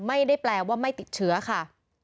ไม่ได้แปลว่าไม่ติดเชื้อค่ะ